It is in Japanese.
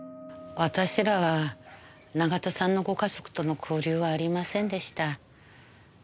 私らは永田さんのご家族との交流はありませんでした。